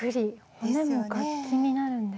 骨も楽器になるんですね。